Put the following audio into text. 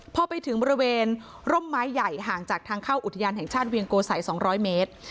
พอไปถึงบริเวณร่มไม้ใหญ่ห่างจากทางเข้าอุทยานแห่งชาติเวียงโกสัย๒๐๐เมตร